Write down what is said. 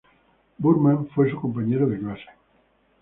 Burman, fue su compañero de clase.